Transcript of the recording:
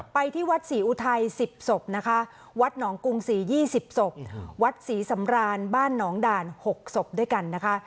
ไปที่วัดศรีอุทัย๑๐ศพนะคะวัดหนองกรุงศรี๒๐ศพวัดศรีสำรานบ้านหนองด่าน๖ศพด้วยกันนะคะ